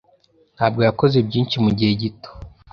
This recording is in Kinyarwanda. ntabwo yakoze byinshi mugihe gito.